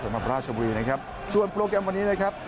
มาราชบุรีนะครับส่วนโปรแกรมวันนี้นะครับ